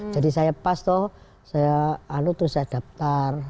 jadi saya pas tuh terus saya daftar